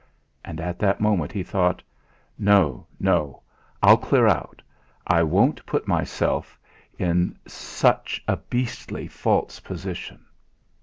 And at that moment he thought: 'No, no; I'll clear out. I won't put myself in such a beastly false position.'